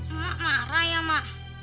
mak marah ya mak